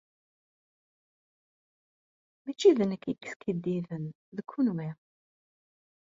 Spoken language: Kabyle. Mačči d nekk i yeskiddiben. D kenwi.